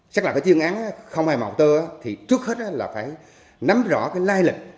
chắc là cái chuyên án không hề màu tơ thì trước hết là phải nắm rõ cái lai lệch